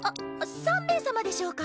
３名様でしょうか？